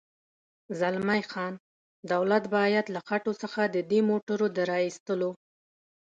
زلمی خان: دولت باید له خټو څخه د دې موټرو د را اېستلو.